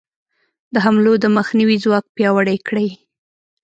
د حملو د مخنیوي ځواک پیاوړی کړي.